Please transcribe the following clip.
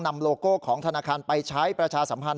โลโก้ของธนาคารไปใช้ประชาสัมพันธ